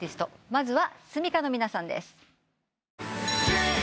まずはｓｕｍｉｋａの皆さんです。